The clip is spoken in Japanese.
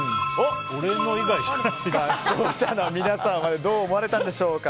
視聴者の皆さんはどう思われたんでしょうか。